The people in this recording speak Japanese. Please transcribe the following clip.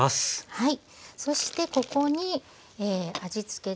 はい。